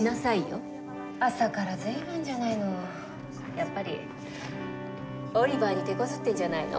やっぱりオリバーにてこずってるんじゃないの？